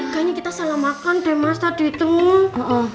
kayaknya kita salah makan deh mas tadi itu